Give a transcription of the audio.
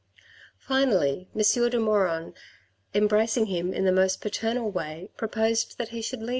Finally M. de Maugiron, embracing him in the most paternal way, proposed that he should leave M.